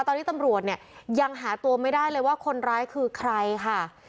ตอนนี้ตำรวจเนี่ยยังหาตัวไม่ได้เลยว่าคนร้ายคือใครค่ะ